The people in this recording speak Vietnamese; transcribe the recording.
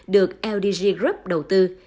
được ldg group đầu tư